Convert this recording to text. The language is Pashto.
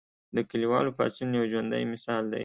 د کلیوالو پاڅون یو ژوندی مثال دی.